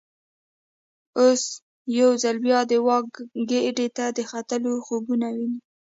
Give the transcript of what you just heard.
اوس یو ځل بیا د واک ګدۍ ته د ختلو خوبونه ویني.